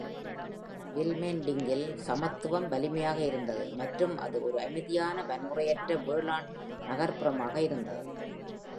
வில்மெர்டிங்கில் சமத்துவம் வலிமையாக இருந்தது மற்றும் அது ஒரு அமைதியான வன்முறையற்ற வேளாண் நகர்புறமாக இருந்தது.